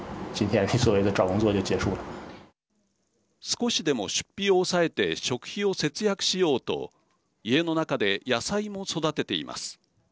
少しでも出費を抑えて食費を節約しようと家の中で野菜も育てています。